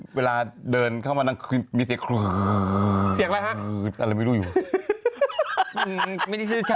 เวลาเดินเข้ามานั่งคือมีเสียงอะไรฮะอะไรไม่รู้อยู่ฮะ